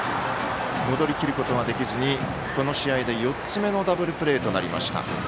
戻りきることができずにこの試合で４つ目のダブルプレーとなりました。